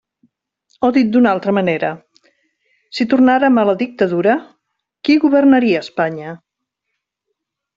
O dit d'una altra manera, si tornàrem a la dictadura, ¿qui governaria a Espanya?